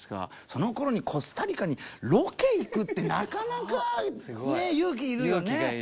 そのころにコスタリカにロケ行くってなかなかねえ勇気いるよね。